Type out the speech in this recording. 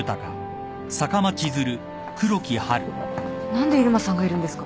何で入間さんがいるんですか。